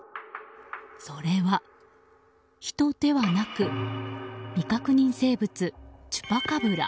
それは、人ではなく未確認生物チュパカブラ。